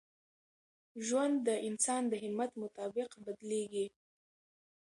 ژوند د انسان د همت مطابق بدلېږي.